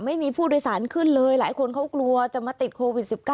ไม่มีผู้โดยสารขึ้นเลยหลายคนเขากลัวจะมาติดโควิด๑๙